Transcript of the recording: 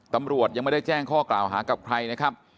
ตำรวจยังไม่ได้แจ้งข้อกล่าวหากับใครนะครับ